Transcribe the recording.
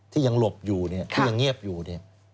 ที่ยังหลบอยู่เนี่ยที่ยังเงียบอยู่เนี่ย